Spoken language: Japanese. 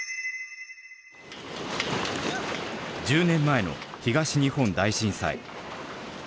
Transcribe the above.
１０年前の東日本大震災。